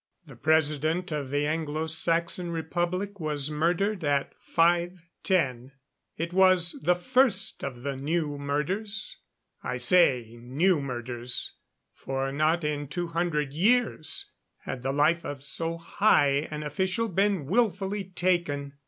The President of the Anglo Saxon Republic was murdered at 5:10. It was the first of the new murders. I say new murders, for not in two hundred years had the life of so high an official been wilfully taken.